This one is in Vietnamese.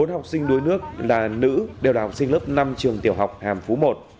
bốn học sinh đuối nước là nữ đều là học sinh lớp năm trường tiểu học hàm phú một